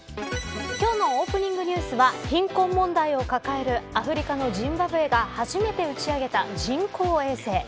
今日のオープニングニュースは貧困問題を抱えるアフリカのジンバブエが初めて打ち上げた人工衛星。